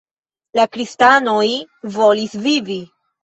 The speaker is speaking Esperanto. La kristanoj volis vivi.